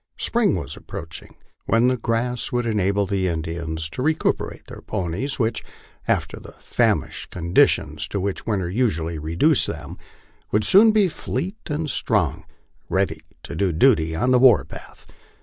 Spring was approaching, when the grass would enable the Indians to re cuperate their ponies, which, after the famished condition to which wintei usually reduced them, would soon be fleet and strong, read} 7 to do duty on the war path.